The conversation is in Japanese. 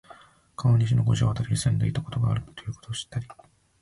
川西の五条あたりに住んでいたことがあるということを知ったり、